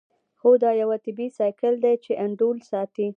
هو دا یو طبیعي سایکل دی چې انډول ساتي